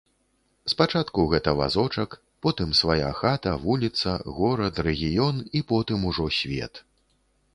Спачатку гэта вазочак, потым свая хата, вуліца, горад, рэгіён і потым ужо свет.